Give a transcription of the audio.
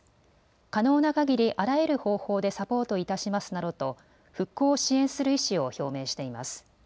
可能なかぎり、あらゆる方法でサポートいたしますなどと復興を支援する意思を表明しています。